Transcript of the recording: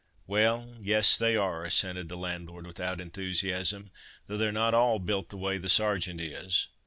"Well, yes, they are," assented the landlord without enthusiasm, "though they're not all built the way the Sergeant is.